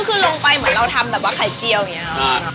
ก็คือลงไปเหมือนเราทำแบบว่าไข่เจียวอย่างนี้